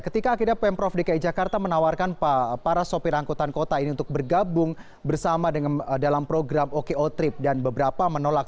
ketika akhirnya pemprov dki jakarta menawarkan para sopir angkutan kota ini untuk bergabung bersama dalam program oko trip dan beberapa menolak